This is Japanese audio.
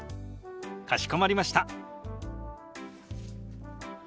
かしこまりました。